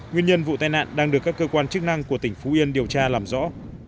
nguyên nhân vụ tai nạn đang được các cơ quan chức năng của tỉnh phú yên điều tra làm rõ